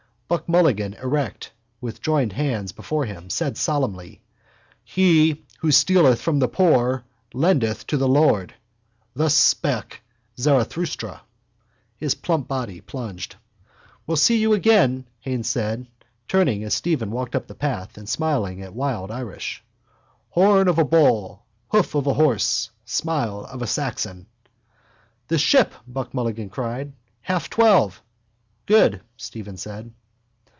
Buck Mulligan erect, with joined hands before him, said solemnly: —He who stealeth from the poor lendeth to the Lord. Thus spake Zarathustra. His plump body plunged. —We'll see you again, Haines said, turning as Stephen walked up the path and smiling at wild Irish. Horn of a bull, hoof of a horse, smile of a Saxon. —The Ship, Buck Mulligan cried. Half twelve. —Good, Stephen said.